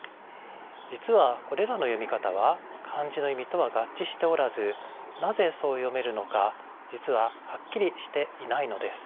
実はこれらの読み方は漢字の意味とは合致しておらずなぜそう読めるのか実ははっきりしていないのです。